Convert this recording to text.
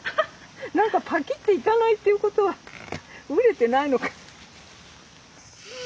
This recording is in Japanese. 何かパキッていかないっていうことは熟れてないのかな。